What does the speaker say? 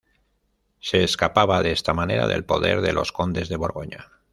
Se escapaba de esta manera del poder de los Condes de Borgoña.